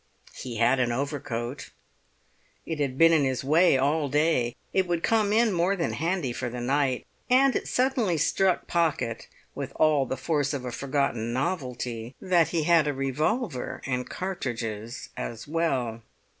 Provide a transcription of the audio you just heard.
He had an overcoat. It had been in his way all day; it would come in more than handy for the night. And it suddenly struck Pocket, with all the force of a forgotten novelty, that he had a revolver and cartridges as well.